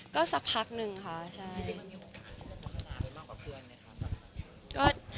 ก็สักพักหนึ่งค่ะใช่